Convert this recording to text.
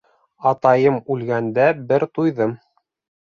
Атайым үлгәндә бер туйҙым